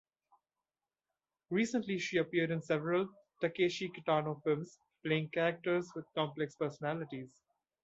Recently she appeared in several Takeshi Kitano films playing characters with complex personalities.